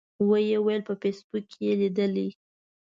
و یې ویل په فیسبوک کې یې لیدلي.